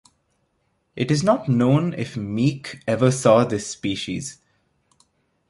It is not known if Meek ever saw this species.